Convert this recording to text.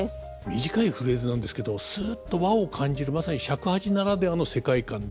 短いフレーズなんですけどすっと和を感じるまさに尺八ならではの世界観だと思いますね。